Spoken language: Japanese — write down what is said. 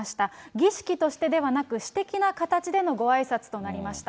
儀式としてではなく、私的な形でのごあいさつとなりました。